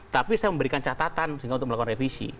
tapi saya memberikan catatan sehingga untuk melakukan revisi